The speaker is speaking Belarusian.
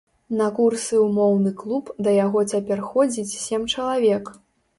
На курсы ў моўны клуб да яго цяпер ходзіць сем чалавек.